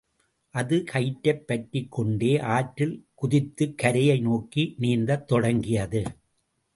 அது கயிற்றைப் பற்றிக் கொண்டே ஆற்றில் குதித்துக் கரையை நோக்கி நீந்தத் தொடங்கியது.